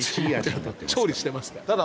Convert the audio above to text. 調理してますから。